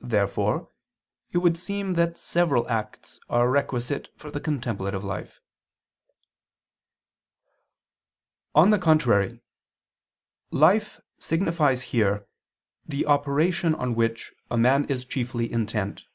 Therefore it would seem that several acts are requisite for the contemplative life. On the contrary, Life signifies here the operation on which a man is chiefly intent.